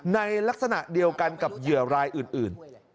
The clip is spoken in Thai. ในลักษณะเดียวกันกับเหยื่อรายอื่น